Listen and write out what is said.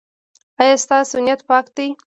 ایا ستاسو نیت پاک دی؟